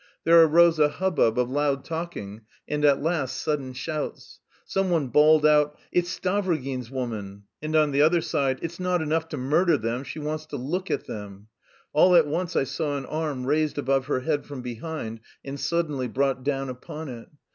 There arose a hubbub of loud talking and at last sudden shouts. Some one bawled out, "It's Stavrogin's woman!" And on the other side, "It's not enough to murder them, she wants to look at them!" All at once I saw an arm raised above her head from behind and suddenly brought down upon it.